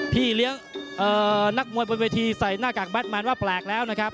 พี่เลี้ยงนักมวยบนเวทีใส่หน้ากากแบทมันว่าแปลกแล้วนะครับ